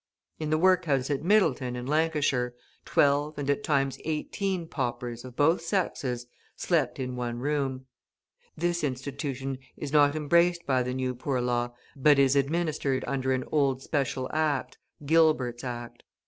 In the workhouse at Middleton, in Lancashire, twelve, and at times eighteen, paupers, of both sexes, slept in one room. This institution is not embraced by the New Poor Law, but is administered under an old special act (Gilbert's Act).